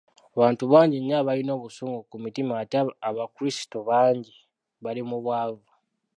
Abantu bangi nnyo abalina obusungu ku mitima ate n’abakirisito bangi bali mu bwavu.